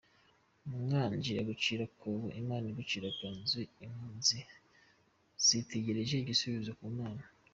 “ Umwanzi agucira akobo; imana igucira icyanzu, impunzi zitegereje igisubizo ku Mana”